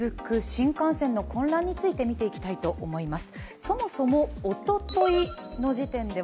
新幹線の混乱について見ていきたいと思います